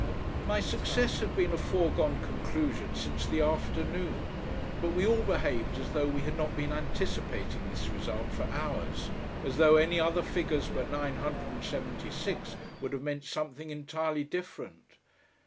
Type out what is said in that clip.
My success had been a foregone conclusion since the afternoon, but we all behaved as though we had not been anticipating this result for hours, as though any other figures but nine hundred and seventy six would have meant something entirely different.